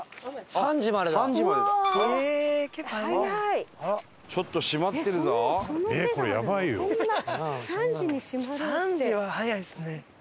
３時は早いですね。